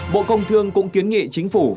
bộ công thương cũng kiến nghị chính phủ